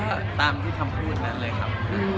ก็ตามที่คำพูดนั้นเลยครับ